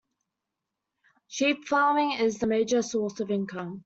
Sheep farming is the major source of income.